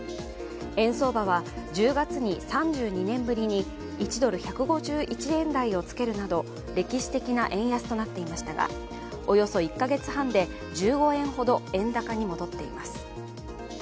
円相場は１０月に３２年ぶりに１ドル＝１５１円台をつけるなど歴史的な円安となっていましたがおよそ１か月半で１５円ほど円高に戻っています。